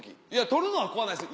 捕るのは怖ないです